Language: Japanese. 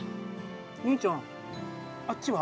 兄ちゃんあっちは？